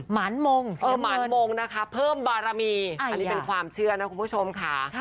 หมานมงหมานมงนะคะเพิ่มบารมีอันนี้เป็นความเชื่อนะคุณผู้ชมค่ะ